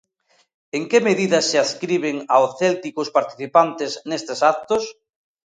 En que medida se adscriben ao céltico os participantes nestes actos?